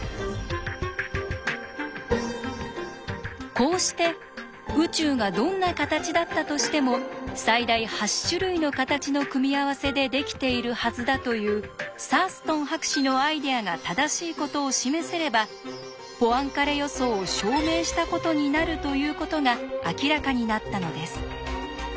こうして「宇宙がどんな形だったとしても最大８種類の形の組み合わせでできているはずだ」というサーストン博士のアイデアが正しいことを示せれば「ポアンカレ予想を証明したことになる」ということが明らかになったのです。